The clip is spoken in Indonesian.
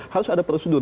harus ada prosedur